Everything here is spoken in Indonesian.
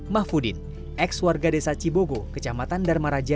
mahfudin eks warga desa cibogo kecamatan dharma raja